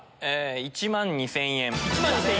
１万２０００円。